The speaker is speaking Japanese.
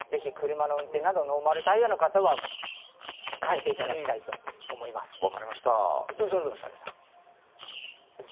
車の運転などノーマルタイヤの方は控えていただきたいと思います。